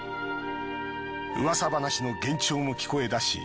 噂話の幻聴も聞こえだし